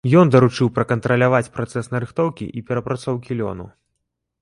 Ён даручыў пракантраляваць працэс нарыхтоўкі і перапрацоўкі лёну.